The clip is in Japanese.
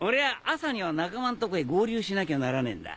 朝には仲間んとこへ合流しなきゃならねえんだ。